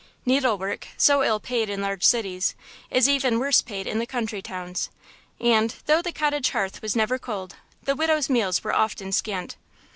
Needlework, so ill paid in large cities, is even worse paid in the country towns, and, though the cottage hearth was never cold, the widow's meals were often scant.